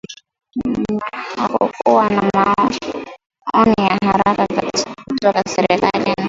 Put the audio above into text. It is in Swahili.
na hakukuwa na maoni ya haraka kutoka serikalini